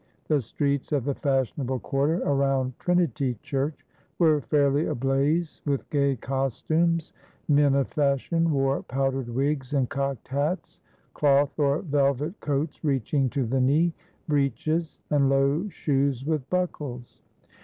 The streets of the fashionable quarter around Trinity Church were fairly ablaze with gay costumes. Men of fashion wore powdered wigs and cocked hats, cloth or velvet coats reaching to the knee, breeches, and low shoes with buckles.